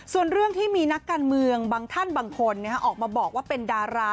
ส่วนเรื่องที่มีนักการเมืองบางท่านบางคนออกมาบอกว่าเป็นดารา